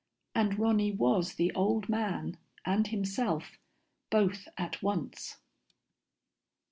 And Ronny was the old man and himself, both at once.